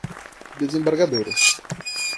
desembargadores